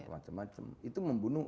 macam macam itu membunuh